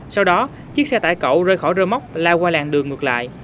sau đó chiếc xe tải cỡ rơi khỏi rơi móc lao qua làng đường ngược lại